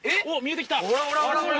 ほらほら。